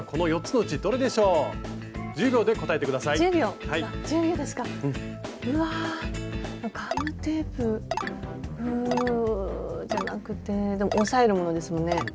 うじゃなくてでも押さえるものですもんね？